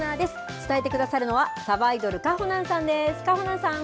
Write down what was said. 伝えてくださるのは、さばいどる、かほなんさんです。